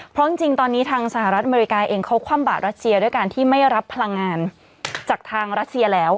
เพราะจริงตอนนี้ทางสหรัฐอเมริกาเองเขาคว่ำบาดรัสเซียด้วยการที่ไม่รับพลังงานจากทางรัสเซียแล้ว